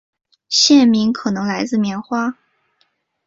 县名可能来自棉花。